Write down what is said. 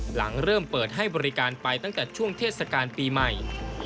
หลังเริ่มเปิดให้บริการไปตั้งแต่ช่วงเทศกาลปีใหม่